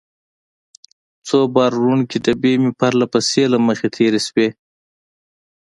څو بار وړونکې ډبې مې پرله پسې له مخې تېرې شوې.